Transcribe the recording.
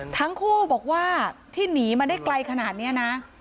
ทั้งคู่บอกว่าที่หนีมาได้ไกลขนาดนี้นะ